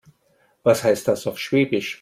Was heißt das auf Schwäbisch?